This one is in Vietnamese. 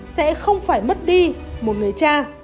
sẽ không phải mất đi một người cha